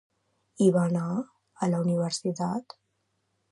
I va anar a la universitat?